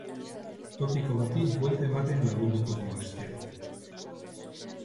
Topiko bati buelta ematen lagunduko du astero.